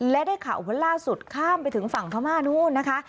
และได้ข่าวว่าล่าสุดข้ามไปถึงฝั่งพม่านู้นนะคะ